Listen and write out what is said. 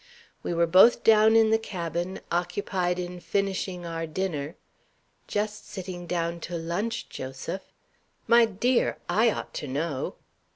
"We were both down in the cabin, occupied in finishing our dinner " "Just sitting down to lunch, Joseph." "My dear! I ought to know."